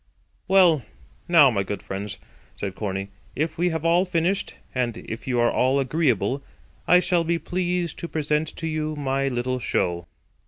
"Well, now, my good friends," said Corney, "if we have all finished, and if you are all agreeable, I shall be pleased to present to you my little show."